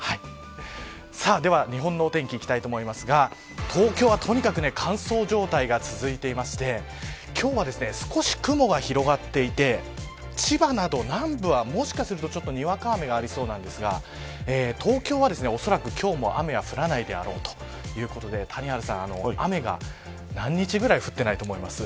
では、日本のお天気いきたいと思いますが東京、とにかく乾燥状態が続いていまして今日は少し雲が広がっていて千葉など南部は、もしかするとにわか雨がありそうなんですが東京は、おそらく今日は雨は降らないだろうということで谷原さん、雨が何日ぐらい降ってないと思いますか。